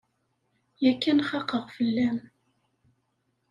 Yakan xaqeɣ fell-am.